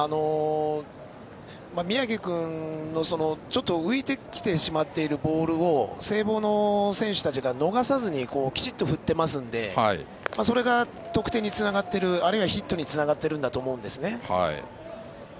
宮城君の浮いてきてしまっているボールを聖望の選手たちが逃さずにきちっと振っていますのでそれが得点につながっているあるいはヒットにつながっていると思うんですね。